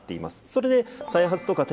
それで。